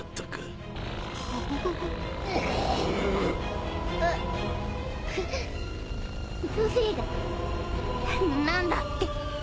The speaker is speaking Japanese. あうルフィが何だって？